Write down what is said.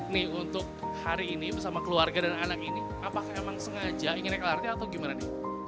nih untuk hari ini bersama keluarga dan anak ini apakah emang sengaja ingin naik lrt atau gimana nih